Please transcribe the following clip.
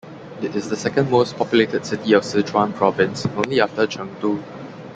It is the second most populated city of Sichuan Province, only after Chengdu.